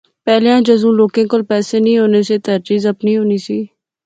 پہلیاں جذوں لوکاں کول پیسے نی سی ہونے تے ہر چیز آپنی ہونی سی